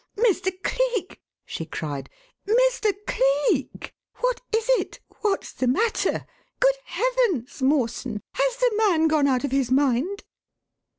"Mr. Cleek!" she cried, "Mr. Cleek! What is it? What's the matter? Good heavens, Mawson, has the man gone out of his mind?"